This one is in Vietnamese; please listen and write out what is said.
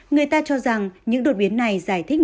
người ta cho rằng những đột biến này giải thích